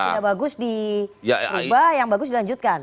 tidak bagus diubah yang bagus dilanjutkan